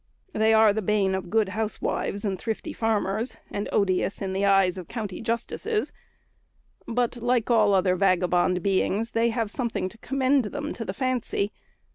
They are the bane of good housewives and thrifty farmers, and odious in the eyes of country justices; but, like all other vagabond beings, they have something to commend them to the fancy.